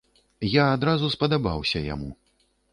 Я адразу спадабаўся яму.